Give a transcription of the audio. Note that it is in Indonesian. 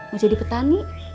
mau jadi petani